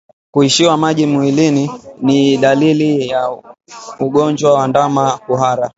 Kuishiwa maji mwilini ni dalili ya ugonjwa wa ndama kuhara